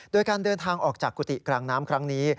โดยการเดินทางออกจากกุฏิกลางน้ำครั้งนี้